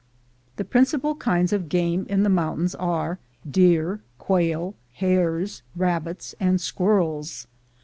The principal kinds of game in the mountains are deer, quail, hares, rabbits, and squirrels.